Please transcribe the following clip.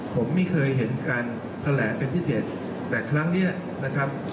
ผมไม่เคยเห็นการแถลงเป็นพิเศษแต่ครั้งนี้นะครับ